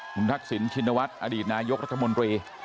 คุณทักษิณชินวัฒน์อดีตนายกรัฐมนตรี